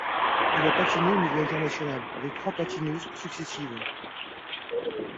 Il a patiné au niveau international avec trois patineuses successives.